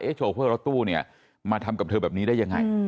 เอ๊ะโชว์เพื่อรถตู้เนี่ยมาทำกับเธอแบบนี้ได้ยังไง